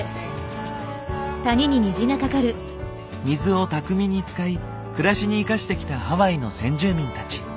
水を巧みに使い暮らしに生かしてきたハワイの先住民たち。